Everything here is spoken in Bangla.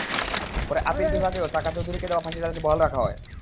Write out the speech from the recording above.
পরে আপিল বিভাগেও সাকা চৌধুরীকে দেওয়া ফাঁসির আদেশ বহাল রাখা হয়।